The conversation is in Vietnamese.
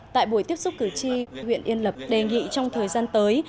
tại buổi tiếp xúc cử tri huyện yên lập đề nghị trong thời gian tới